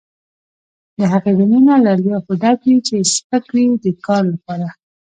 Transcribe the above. د هغې دننه له الیافو ډک وي چې سپک وي د کار لپاره.